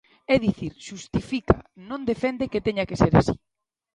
É dicir, xustifica, non defende que teña que ser así.